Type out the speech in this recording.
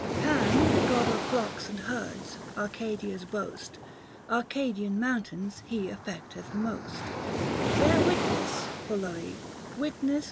Pan, god of flocks and herds, Arcadia's boast, 280 Arcadian mountains he affecteth most ; Bear witness, Pholoe ; witness